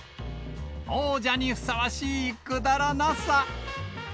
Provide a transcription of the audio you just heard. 王者にふさわしいくだらなさ。